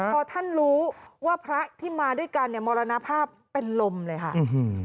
พอท่านรู้ว่าพระที่มาด้วยกันเนี่ยมรณภาพเป็นลมเลยค่ะ